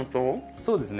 そうですね。